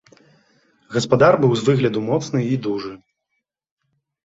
Гаспадар быў з выгляду моцны і дужы.